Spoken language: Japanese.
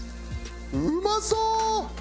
うまそう！